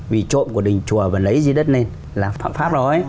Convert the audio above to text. vì trộm của đình chùa và lấy dưới đất lên là phạm pháp rồi